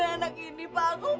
tolong terima kasih pak